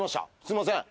すみません。